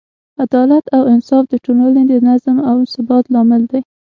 عدالت او انصاف د ټولنې د نظم او ثبات لامل دی.